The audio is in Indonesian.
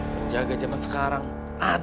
menjaga zaman sekarang adaa aja